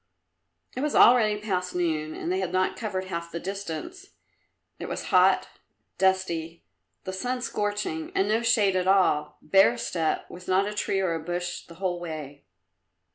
It was already past noon and they had not covered half the distance. It was hot, dusty, the sun scorching and no shade at all bare steppe, with not a tree or a bush the whole way.